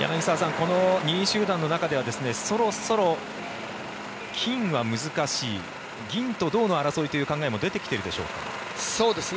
この２位集団の中ではそろそろ、金は難しい銀と銅の争いという考えも出てきているでしょうか？